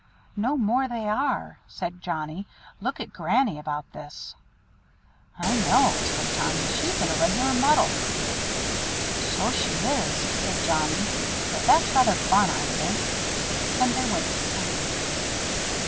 "No more they are," said Johnnie; "look at Granny about this." "I know," said Tommy. "She's in a regular muddle." "So she is," said Johnnie. "But that's rather fun, I think." And they went to sleep.